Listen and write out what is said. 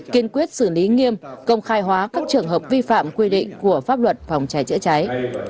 kiên quyết xử lý nghiêm công khai hóa các trường hợp vi phạm quy định của pháp luật phòng cháy chữa cháy